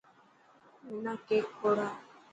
منا ڪيڪ کوڙا.